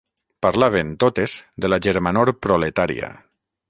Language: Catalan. Parlaven, totes, de la germanor proletària